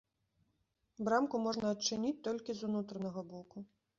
Брамку можна адчыніць толькі з унутранага боку.